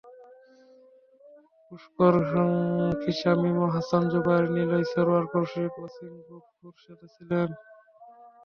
পুস্কর খীসা মিমো, হাসান জুবায়ের নিলয়, সারোয়ার, কৌশিক, অসীম গোপ, খোরশেদরা ছিলেন।